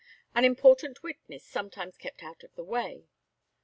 An important witness sometimes kept out of the way.